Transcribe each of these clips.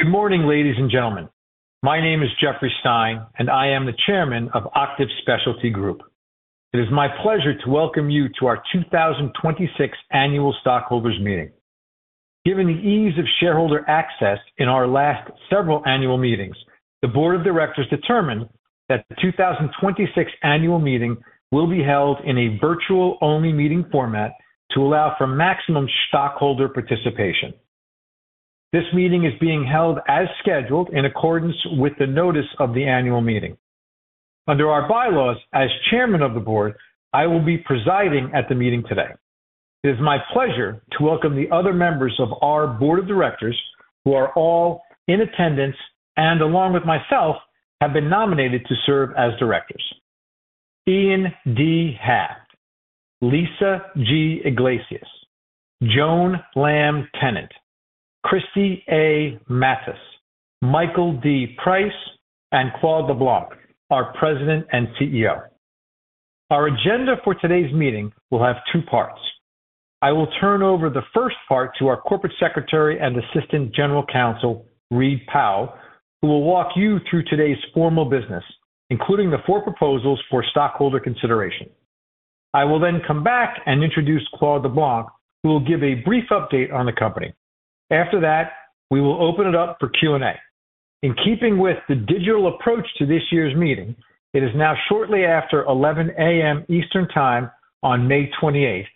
Good morning, ladies and gentlemen. My name is Jeffrey Stein, and I am the Chairman of Octave Specialty Group. It is my pleasure to welcome you to our 2026 Annual Stockholders Meeting. Given the ease of shareholder access in our last several annual meetings, the Board of Directors determined that the 2026 Annual Meeting will be held in a virtual-only meeting format to allow for maximum stockholder participation. This meeting is being held as scheduled in accordance with the notice of the annual meeting. Under our bylaws, as Chairman of the Board, I will be presiding at the meeting today. It is my pleasure to welcome the other members of our Board of Directors who are all in attendance and, along with myself, have been nominated to serve as directors. Ian D. Haft, Lisa G. Iglesias, Joan Lamm-Tennant, Kristi A. Matus, Michael D. Price, and Claude LeBlanc, our President and Chief Executive Officer. Our agenda for today's meeting will have two parts. I will turn over the first part to our Corporate Secretary and Assistant General Counsel, Reid Powell, who will walk you through today's formal business, including the four proposals for stockholder consideration. I will then come back and introduce Claude LeBlanc, who will give a brief update on the company. After that, we will open it up for Q&A. In keeping with the digital approach to this year's meeting, it is now shortly after 11:00 A.M. Eastern Time on May 28th,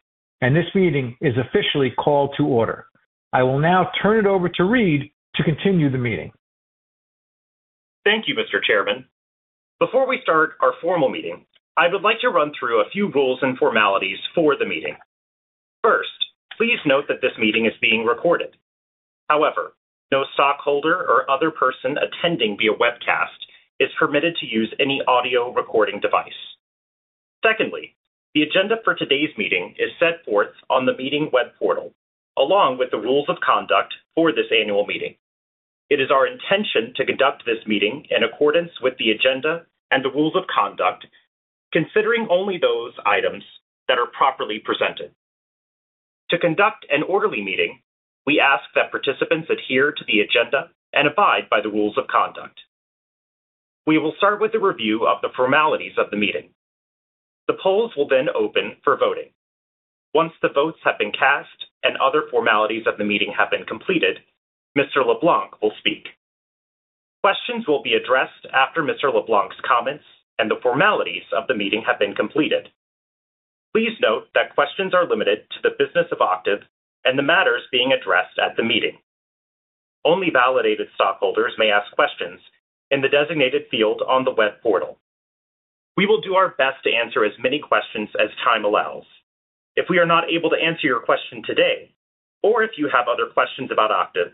and this meeting is officially called to order. I will now turn it over to Reid to continue the meeting. Thank you, Mr. Chairman. Before we start our formal meeting, I would like to run through a few rules and formalities for the meeting. First, please note that this meeting is being recorded. However, no stockholder or other person attending via webcast is permitted to use any audio recording device. Secondly, the agenda for today's meeting is set forth on the meeting web portal, along with the rules of conduct for this annual meeting. It is our intention to conduct this meeting in accordance with the agenda and the rules of conduct, considering only those items that are properly presented. To conduct an orderly meeting, we ask that participants adhere to the agenda and abide by the rules of conduct. We will start with a review of the formalities of the meeting. The polls will then open for voting. Once the votes have been cast and other formalities of the meeting have been completed, Mr. LeBlanc will speak. Questions will be addressed after Mr. LeBlanc's comments and the formalities of the meeting have been completed. Please note that questions are limited to the business of Octave and the matters being addressed at the meeting. Only validated stockholders may ask questions in the designated field on the web portal. We will do our best to answer as many questions as time allows. If we are not able to answer your question today, or if you have other questions about Octave,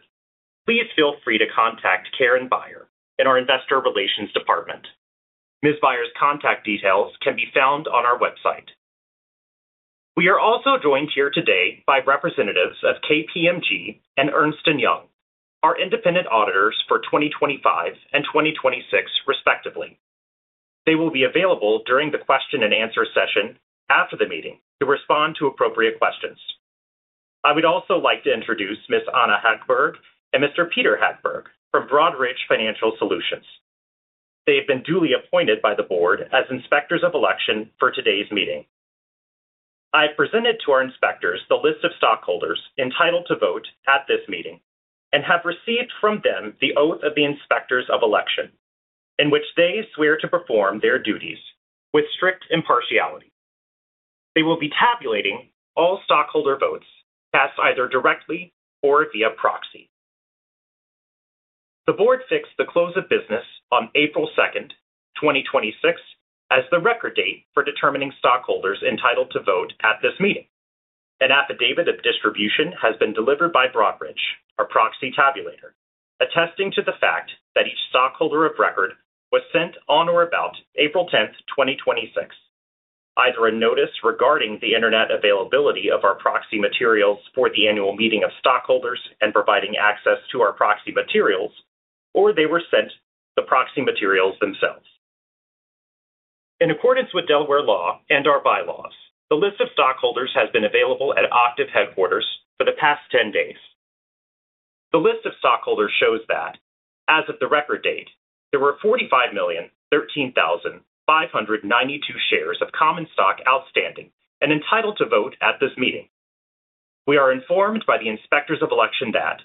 please feel free to contact Karen Beyer in our investor relations department. Ms. Beyer's contact details can be found on our website. We are also joined here today by representatives of KPMG and Ernst & Young, our independent auditors for 2025 and 2026, respectively. They will be available during the question and answer session after the meeting to respond to appropriate questions. I would also like to introduce Ms. Anna Hagberg and Mr. Peter Hagberg from Broadridge Financial Solutions. They have been duly appointed by the board as inspectors of election for today's meeting. I have presented to our inspectors the list of stockholders entitled to vote at this meeting and have received from them the oath of the inspectors of election, in which they swear to perform their duties with strict impartiality. They will be tabulating all stockholder votes cast either directly or via proxy. The board fixed the close of business on April 2nd, 2026, as the record date for determining stockholders entitled to vote at this meeting. An affidavit of distribution has been delivered by Broadridge, our proxy tabulator, attesting to the fact that each stockholder of record was sent on or about April 10th, 2026, either a notice regarding the internet availability of our proxy materials for the annual meeting of stockholders and providing access to our proxy materials, or they were sent the proxy materials themselves. In accordance with Delaware law and our bylaws, the list of stockholders has been available at Octave headquarters for the past 10 days. The list of stockholders shows that, as of the record date, there were 45,013,592 shares of common stock outstanding and entitled to vote at this meeting. We are informed by the inspectors of election that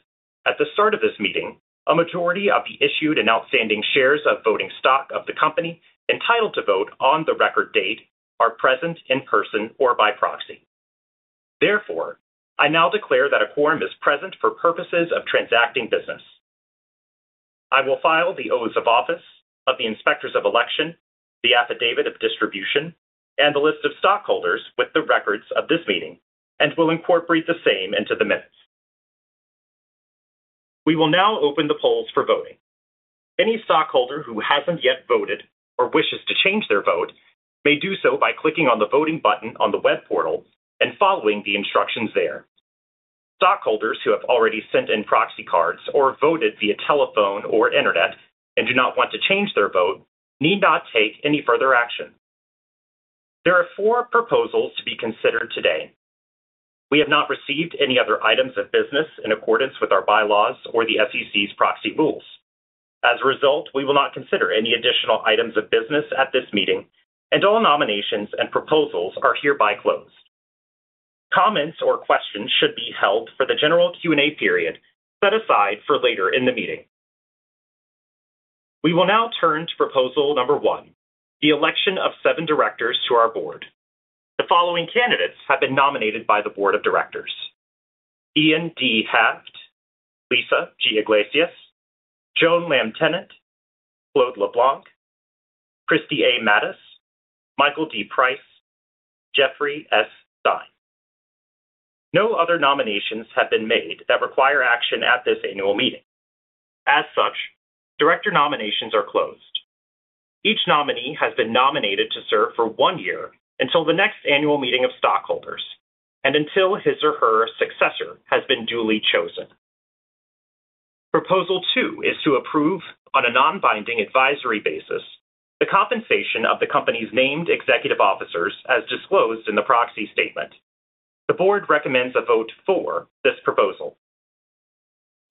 at the start of this meeting, a majority of the issued and outstanding shares of voting stock of the company entitled to vote on the record date are present in person or by proxy. Therefore, I now declare that a quorum is present for purposes of transacting business. I will file the oaths of office of the inspectors of election, the affidavit of distribution, and the list of stockholders with the records of this meeting and will incorporate the same into the minutes. We will now open the polls for voting. Any stockholder who hasn't yet voted or wishes to change their vote may do so by clicking on the voting button on the web portal and following the instructions there. Stockholders who have already sent in proxy cards or voted via telephone or internet and do not want to change their vote need not take any further action. There are four proposals to be considered today. We have not received any other items of business in accordance with our bylaws or the SEC's proxy rules. As a result, we will not consider any additional items of business at this meeting, and all nominations and proposals are hereby closed. Comments or questions should be held for the general Q&A period set aside for later in the meeting. We will now turn to proposal number one, the election of seven directors to our board. The following candidates have been nominated by the Board of Directors: Ian D. Haft, Lisa G. Iglesias, Joan Lamm-Tennant, Claude LeBlanc, Kristi A. Matus, Michael D. Price, Jeffrey S. Stein. No other nominations have been made that require action at this annual meeting. As such, director nominations are closed. Each nominee has been nominated to serve for one year until the next annual meeting of stockholders and until his or her successor has been duly chosen. Proposal 2 is to approve, on a non-binding advisory basis, the compensation of the company's named executive officers as disclosed in the proxy statement. The board recommends a vote for this proposal.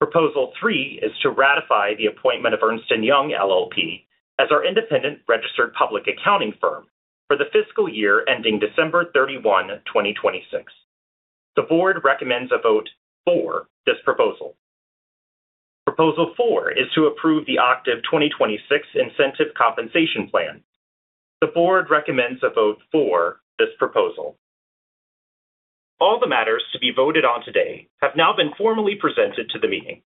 Proposal 3 is to ratify the appointment of Ernst & Young LLP as our independent registered public accounting firm for the fiscal year ending December 31, 2026. The board recommends a vote for this proposal. Proposal 4 is to approve the Octave 2026 Incentive Compensation Plan. The board recommends a vote for this proposal. All the matters to be voted on today have now been formally presented to the meeting.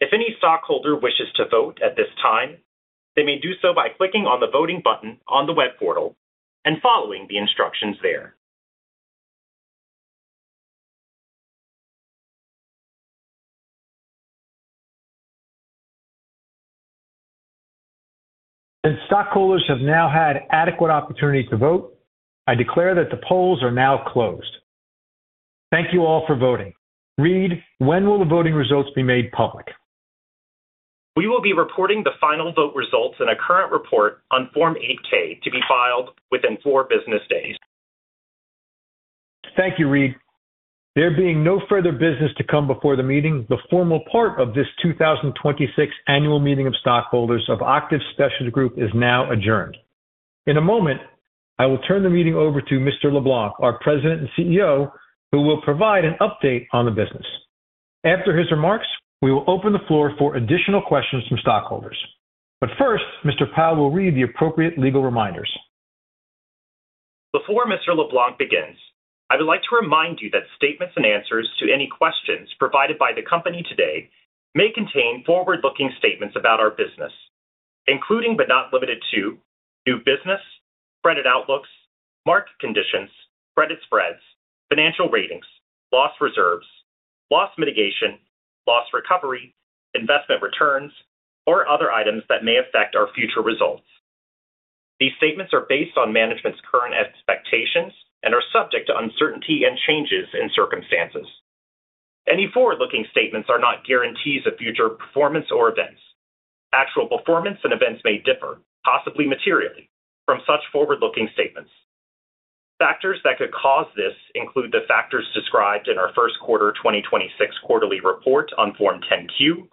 If any stockholder wishes to vote at this time, they may do so by clicking on the voting button on the web portal and following the instructions there. As stockholders have now had adequate opportunity to vote, I declare that the polls are now closed. Thank you all for voting. Reid, when will the voting results be made public? We will be reporting the final vote results in a current report on Form 8-K to be filed within four business days. Thank you, Reid. There being no further business to come before the meeting, the formal part of this 2026 annual meeting of stockholders of Octave Specialty Group is now adjourned. In a moment, I will turn the meeting over to Mr. LeBlanc, our President and CEO, who will provide an update on the business. After his remarks, we will open the floor for additional questions from stockholders. First, Mr. Powell will read the appropriate legal reminders. Before Mr. LeBlanc begins, I would like to remind you that statements and answers to any questions provided by the company today may contain forward-looking statements about our business, including but not limited to new business, credit outlooks, market conditions, credit spreads, financial ratings, loss reserves, loss mitigation, loss recovery, investment returns, or other items that may affect our future results. These statements are based on management's current expectations and are subject to uncertainty and changes in circumstances. Any forward-looking statements are not guarantees of future performance or events. Actual performance and events may differ, possibly materially, from such forward-looking statements. Factors that could cause this include the factors described in our first quarter 2026 quarterly report on Form 10-Q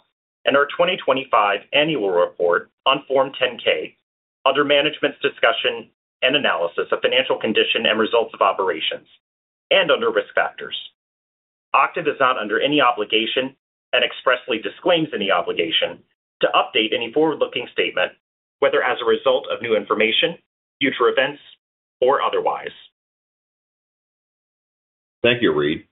and our 2025 annual report on Form 10-K under management's discussion and analysis of financial condition and results of operations and under risk factors. Octave is not under any obligation, and expressly disclaims any obligation, to update any forward-looking statement, whether as a result of new information, future events, or otherwise. Thank you, Reid.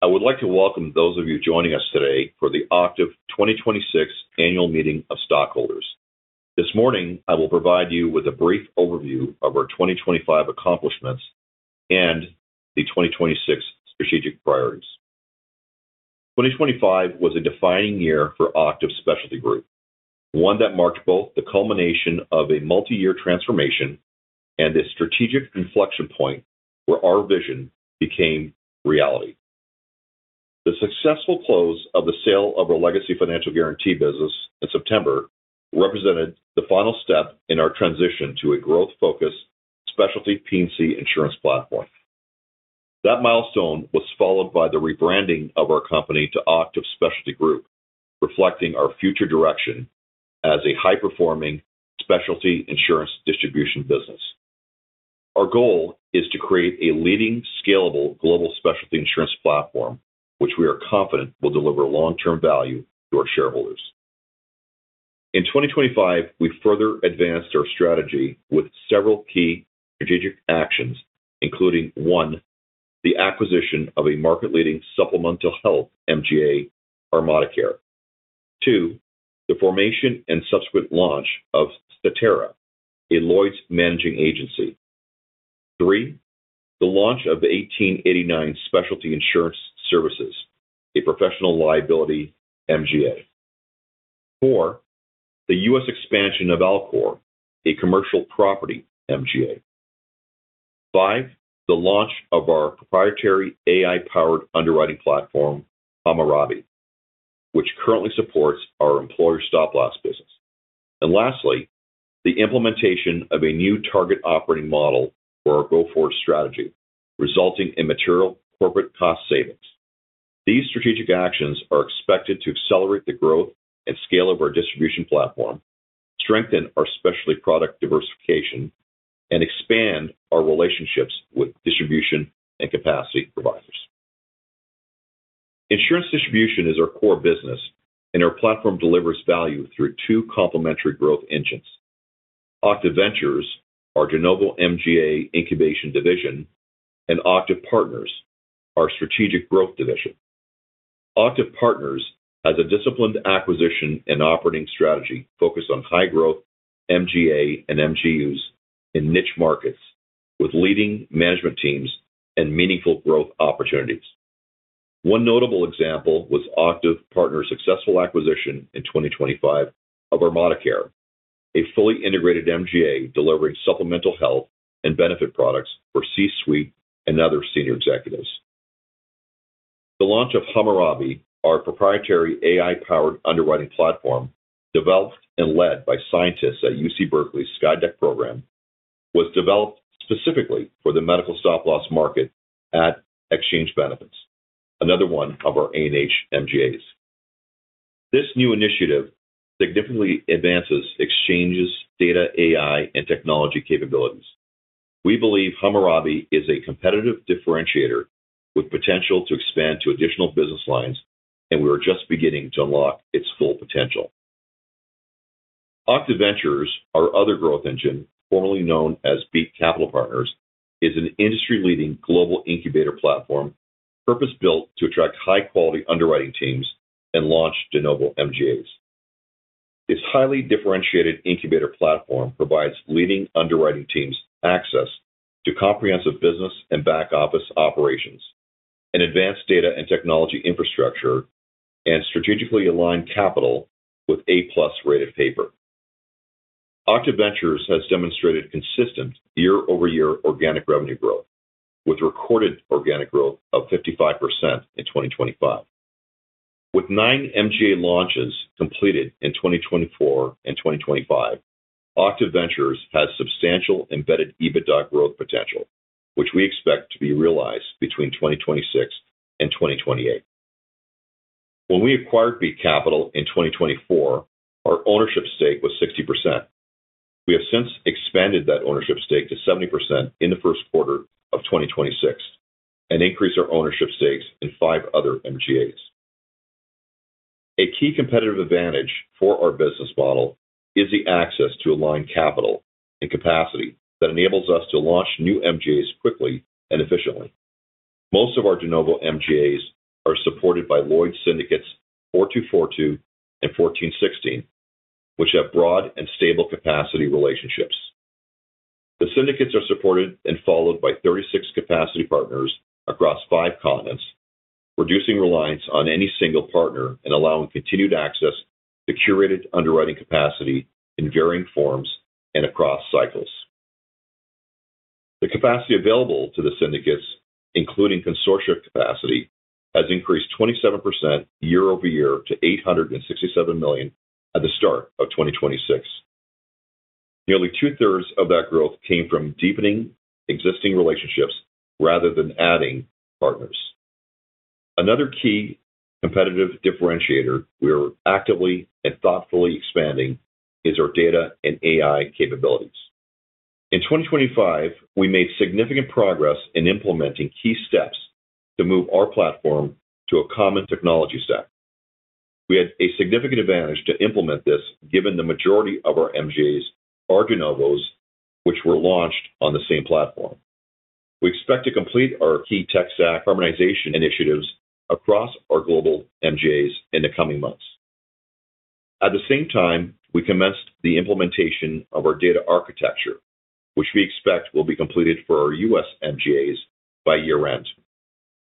I would like to welcome those of you joining us today for the Octave 2026 Annual Meeting of Stockholders. This morning, I will provide you with a brief overview of our 2025 accomplishments and the 2026 strategic priorities. 2025 was a defining year for Octave Specialty Group, one that marked both the culmination of a multi-year transformation and a strategic inflection point where our vision became reality. The successful close of the sale of our legacy financial guarantee business in September represented the final step in our transition to a growth-focused specialty P&C insurance platform. That milestone was followed by the rebranding of our company to Octave Specialty Group, reflecting our future direction as a high-performing specialty insurance distribution business. Our goal is to create a leading, scalable global specialty insurance platform, which we are confident will deliver long-term value to our shareholders. In 2025, we further advanced our strategy with several key strategic actions, including, one, the acquisition of a market-leading supplemental health MGA, ArmadaCare. Two, the formation and subsequent launch of Statera, a Lloyd's Managing Agency. Three, the launch of the 1889 Specialty Insurance Services, a professional liability MGA. Four, the U.S. expansion of Alcor, a commercial property MGA. Five, the launch of our proprietary AI-powered underwriting platform, Hammurabi, which currently supports our employer stop loss business. Lastly, the implementation of a new target operating model for our go-forward strategy, resulting in material corporate cost savings. These strategic actions are expected to accelerate the growth and scale of our distribution platform, strengthen our specialty product diversification, and expand our relationships with distribution and capacity providers. Insurance distribution is our core business, and our platform delivers value through two complementary growth engines, Octave Ventures, our de novo MGA incubation division, and Octave Partners, our strategic growth division. Octave Partners has a disciplined acquisition and operating strategy focused on high growth MGAs and MGUs in niche markets with leading management teams and meaningful growth opportunities. One notable example was Octave Partners' successful acquisition in 2025 of ArmadaCare, a fully integrated MGA delivering supplemental health and benefit products for C-suite and other senior executives. The launch of Hammurabi, our proprietary AI-powered underwriting platform, developed and led by scientists at UC Berkeley's SkyDeck program, was developed specifically for the medical stop loss market at Xchange Benefits, another one of our A&H MGAs. This new initiative significantly advances Xchange's data, AI, and technology capabilities. We believe Hammurabi is a competitive differentiator with potential to expand to additional business lines, and we are just beginning to unlock its full potential. Octave Ventures, our other growth engine, formerly known as Beat Capital Partners, is an industry-leading global incubator platform purpose-built to attract high-quality underwriting teams and launch de novo MGAs. Its highly differentiated incubator platform provides leading underwriting teams access to comprehensive business and back-office operations, an advanced data and technology infrastructure, and strategically aligned capital with A+ rated paper. Octave Ventures has demonstrated consistent year-over-year organic revenue growth with recorded organic growth of 55% in 2025. With nine MGA launches completed in 2024 and 2025, Octave Ventures has substantial embedded EBITDA growth potential, which we expect to be realized between 2026 and 2028. When we acquired Beat Capital in 2024, our ownership stake was 60%. We have since expanded that ownership stake to 70% in the first quarter of 2026 and increased our ownership stakes in five other MGAs. A key competitive advantage for our business model is the access to aligned capital and capacity that enables us to launch new MGAs quickly and efficiently. Most of our de novo MGAs are supported by Lloyd's syndicates 4242 and 1416, which have broad and stable capacity relationships. The syndicates are supported and followed by 36 capacity partners across five continents, reducing reliance on any single partner and allowing continued access to curated underwriting capacity in varying forms and across cycles. The capacity available to the syndicates, including consortia capacity, has increased 27% year-over-year to $867 million at the start of 2026. Nearly 2/3 of that growth came from deepening existing relationships rather than adding partners. Another key competitive differentiator we are actively and thoughtfully expanding is our data and AI capabilities. In 2025, we made significant progress in implementing key steps to move our platform to a common technology stack. We had a significant advantage to implement this, given the majority of our MGAs are de novos, which were launched on the same platform. We expect to complete our key tech stack harmonization initiatives across our global MGAs in the coming months. At the same time, we commenced the implementation of our data architecture, which we expect will be completed for our U.S. MGAs by year-end.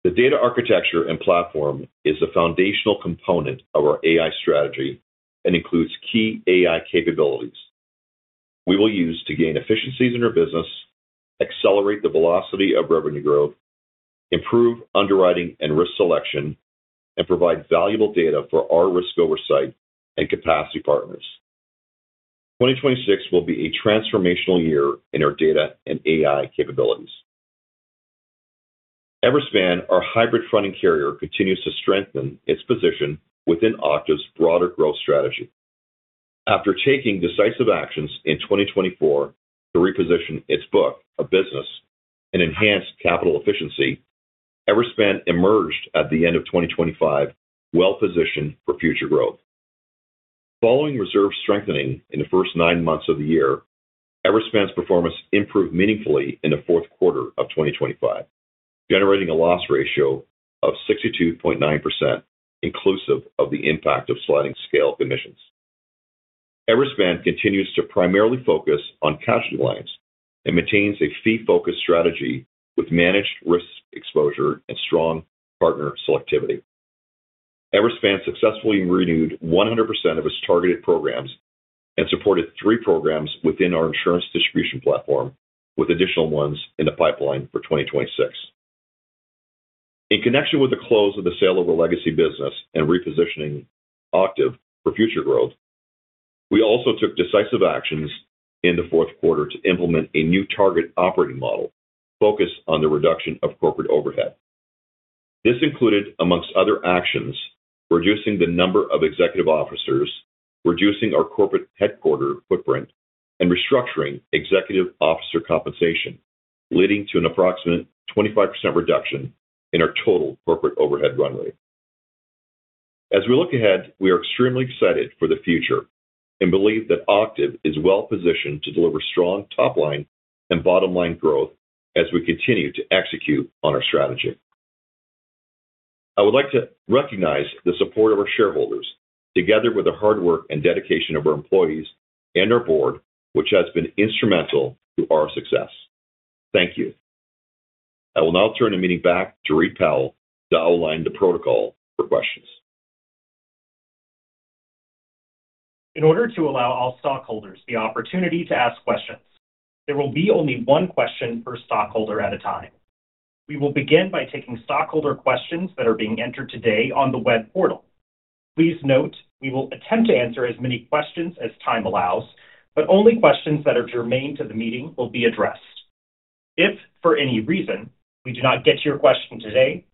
The data architecture and platform is a foundational component of our AI strategy and includes key AI capabilities we will use to gain efficiencies in our business, accelerate the velocity of revenue growth, improve underwriting and risk selection, and provide valuable data for our risk oversight and capacity partners. 2026 will be a transformational year in our data and AI capabilities. Everspan, our hybrid fronting carrier, continues to strengthen its position within Octave's broader growth strategy. After taking decisive actions in 2024 to reposition its book of business and enhance capital efficiency, Everspan emerged at the end of 2025 well-positioned for future growth. Following reserve strengthening in the first nine months of the year, Everspan's performance improved meaningfully in the fourth quarter of 2025, generating a loss ratio of 62.9%, inclusive of the impact of sliding scale commissions. Everspan continues to primarily focus on casualty lines and maintains a fee-focused strategy with managed risk exposure and strong partner selectivity. Everspan successfully renewed 100% of its targeted programs and supported three programs within our insurance distribution platform, with additional ones in the pipeline for 2026. In connection with the close of the sale of our legacy business and repositioning Octave for future growth, we also took decisive actions in the fourth quarter to implement a new target operating model focused on the reduction of corporate overhead. This included, amongst other actions, reducing the number of executive officers, reducing our corporate headquarter footprint, and restructuring executive officer compensation, leading to an approximate 25% reduction in our total corporate overhead run rate. As we look ahead, we are extremely excited for the future and believe that Octave is well-positioned to deliver strong top-line and bottom-line growth as we continue to execute on our strategy. I would like to recognize the support of our shareholders, together with the hard work and dedication of our employees and our board, which has been instrumental to our success. Thank you. I will now turn the meeting back to Reid Powell to outline the protocol for questions. In order to allow all stockholders the opportunity to ask questions, there will be only one question per stockholder at a time. We will begin by taking stockholder questions that are being entered today on the web portal. Please note, we will attempt to answer as many questions as time allows, but only questions that are germane to the meeting will be addressed. If, for any reason, we do not get to your question today,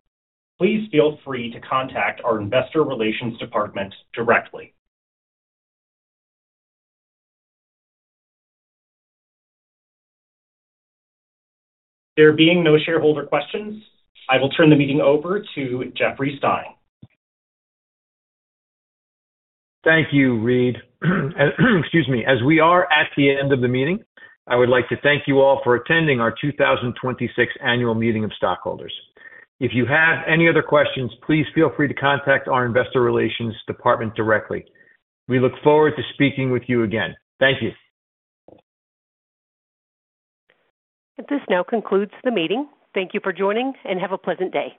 please feel free to contact our investor relations department directly. There being no shareholder questions, I will turn the meeting over to Jeffrey Stein. Thank you, Reid. Excuse me. We are at the end of the meeting, I would like to thank you all for attending our 2026 Annual Meeting of Stockholders. If you have any other questions, please feel free to contact our investor relations department directly. We look forward to speaking with you again. Thank you. This now concludes the meeting. Thank you for joining, and have a pleasant day.